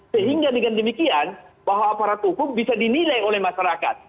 sehingga dengan demikian bahwa aparat hukum bisa dinilai oleh masyarakat